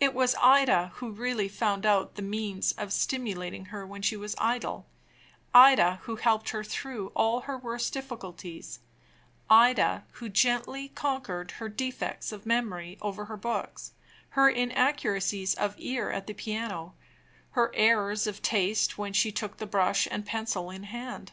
It was Ida who really found out the means of stimulating her when she was idle; Ida who helped her through all her worst difficulties; Ida who gently conquered her defects of memory over her books, her inaccuracies of ear at the piano, her errors of taste when she took the brush and pencil in hand.